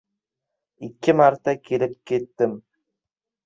— Ikki marta kelib ketdim...